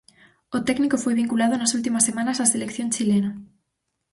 O técnico foi vinculado nas últimas semanas á selección chilena.